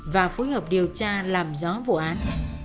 và phối hợp điều tra làm gió vụ án